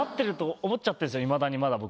いまだにまだ僕。